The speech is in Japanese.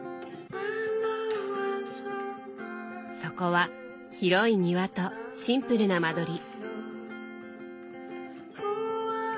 そこは広い庭とシンプルな間取り。